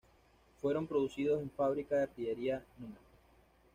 Fueron producidos en la Fábrica de Artillería Nro.